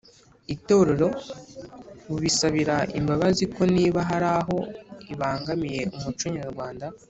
Itorero bubisabira imbabazi ko niba hari aho ibangamiye umuco nyarwanda